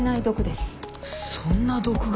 そんな毒が。